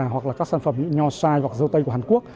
hoặc là các sản phẩm như nho chai hoặc rau tây của hàn quốc